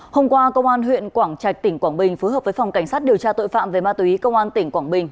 hôm qua công an huyện quảng trạch tỉnh quảng bình phối hợp với phòng cảnh sát điều tra tội phạm về ma túy công an tỉnh quảng bình